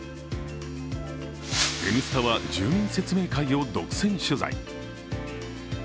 「Ｎスタ」は住民説明会を独占取材。